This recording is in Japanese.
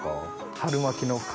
春巻きの皮。